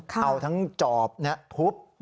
เอาทั้งจอบเนี่ยพุบ